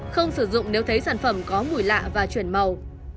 không sử dụng nếu thấy sản phẩm có mùi lạ và chuyển màu